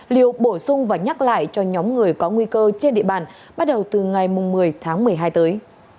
liều bổ sung và nhắc lại cho nhóm người có nguy cơ trên địa bàn bắt đầu từ ngày một mươi tháng một mươi hai tới